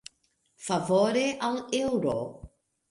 Favore al eŭro.